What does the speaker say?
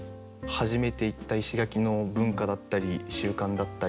初めて行った石垣の文化だったり習慣だったり